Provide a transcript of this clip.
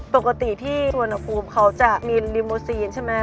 ปกติที่สุรณคลุมเขาจะมีริมุซีนใช่มั้ย